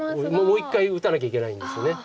もう一回打たなきゃいけないんです。